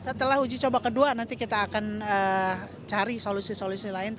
setelah uji coba kedua nanti kita akan cari solusi solusi lain